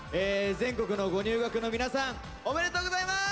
全国のご入学の皆さんおめでとうございます！